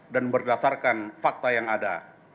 dan berdasarkan fakta yang ada